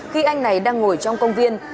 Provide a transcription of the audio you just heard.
khi anh này đang ngồi trong công viên